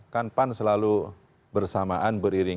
kan pan selalu bersamaan beriringan